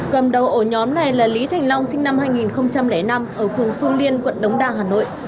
cầm đầu ổ nhóm này là lý thành long sinh năm hai nghìn năm ở phường phương liên quận đống đa hà nội